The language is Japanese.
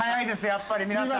やっぱり皆さん。